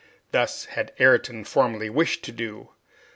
Thus had Ayrton formerly wished to do.